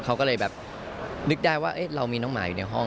เขาก็เลยแบบนึกได้ว่าเรามีน้องหมาอยู่ในห้อง